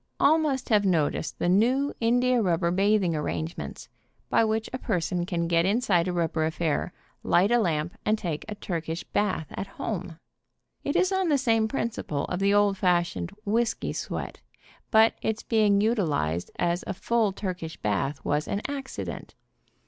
All must have noticed the new in 66 AN EXPERIMENTAL TURKISH BATH dia rubber bathing arrangements, by which a person can get inside a rubber affair, light a lamp and take a Turkish bath at home. It is on the same principle of the old fashioned "whisky sweat," but its being utilized as a full Turkish bath was an accident.